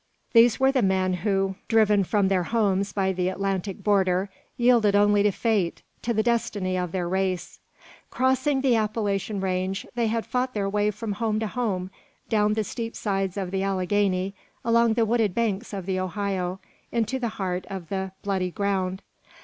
These were the men who, driven from their homes by the Atlantic border, yielded only to fate to the destiny of their race. Crossing the Appalachian range, they had fought their way from home to home, down the steep sides of the Alleghany, along the wooded banks of the Ohio, into the heart of the "Bloody Ground."